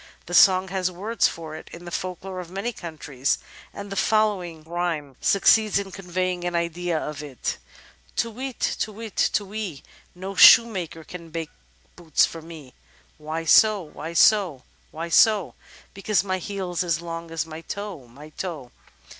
The song has words for it in the folklore of many countries, and the following rhjnoie succeeds in conveying an idea of it: Tu whit, tu whit, tu whee. No shoemaker can make boots for me Why so? why so? why so? Because my heel's as long as my toe, my toe.